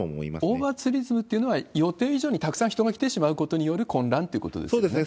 オーバーツーリズムというのは、予定以上にたくさん人が来てしまうことによる混乱ということですよね？